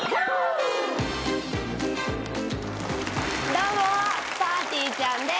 どうもぱーてぃーちゃんです。